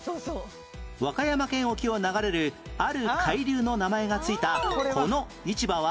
和歌山県沖を流れるある海流の名前が付いたこの市場は？